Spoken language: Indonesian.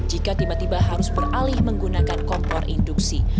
jika tiba tiba harus beralih menggunakan kompor induksi